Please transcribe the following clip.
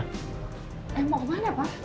eh mau kemana pak